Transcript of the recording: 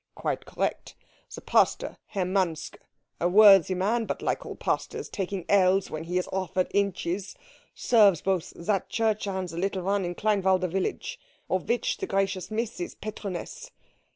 "Quite correct. The pastor, Herr Manske, a worthy man, but, like all pastors, taking ells when he is offered inches, serves both that church and the little one in Kleinwalde village, of which the gracious Miss is patroness.